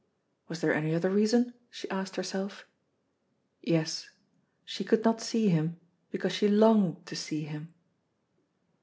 Was there any other reason? she asked herself. Yes; she could not see him because she longed to see him.